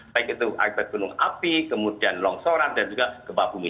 baik itu air terjunung api kemudian longsoran dan juga kebab bumi